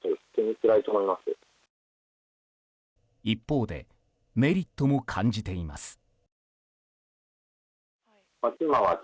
一方でメリットも感じています。